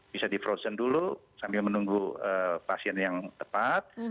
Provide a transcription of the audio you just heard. bisa di frozen dulu sambil menunggu pasien yang tepat